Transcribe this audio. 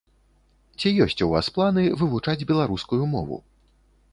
Ці ёсць у вас планы вывучаць беларускую мову?